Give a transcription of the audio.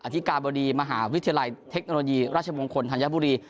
ธิกาบดีมหาวิทยาลัยเทคโนโลยีราชมงคลธัญบุรี